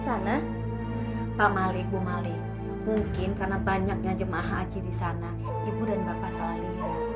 sana pak malik bu mali mungkin karena banyaknya jemaah haji di sana ibu dan bapak selalu